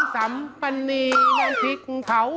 สัมปันนีมันพริกเขา